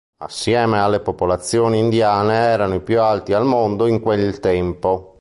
Assieme alle popolazioni indiane, erano i più alti al mondo in quel tempo.